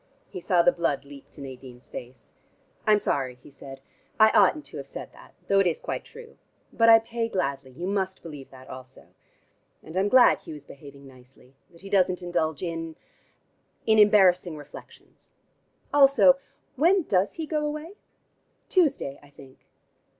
He saw the blood leap to Nadine's face. "I'm sorry," he said. "I oughtn't to have said that, though it is quite true. But I pay gladly: you must believe that also. And I'm glad Hugh is behaving nicely, that he doesn't indulge in in embarrassing reflections. Also, when does he go away?" "Tuesday, I think."